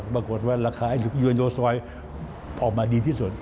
ปรากฏว่าราคายโนซอยออกมาดีที่สุด